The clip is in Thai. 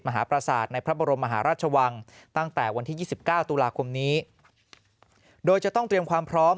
มหาประสาทในพระบรมมหาราชวังตั้งแต่วันที่๒๙ตุลาคมนี้โดยจะต้องเตรียมความพร้อม